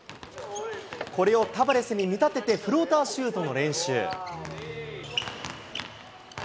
これをタバレスに見立てて、フローターシュートの練習。